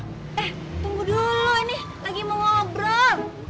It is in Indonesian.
eh tunggu dulu ini lagi mau ngobrol